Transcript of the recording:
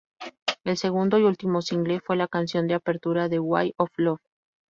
El segundo y último single fue la canción de apertura "The Way of Love".